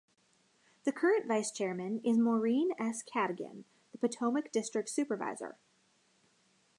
The current Vice-Chairman is Maureen S. Caddigan, the Potomac District Supervisor.